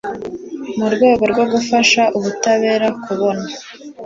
mu rwego rwo gufasha ubutabera kubona